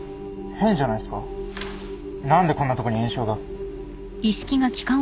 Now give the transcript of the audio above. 何でこんなとこに炎症が。